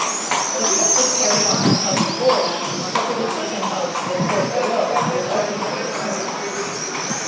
The point was carried on to the House of Lords, but the decision of 'the court below' was ultimately affirmed.